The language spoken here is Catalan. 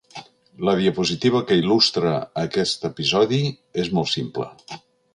La diapositiva que il·lustra aquest episodi és molt simple.